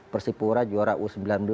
persipura juara u sembilan belas